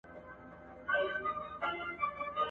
هم یې وکتل لکۍ او هم غوږونه ..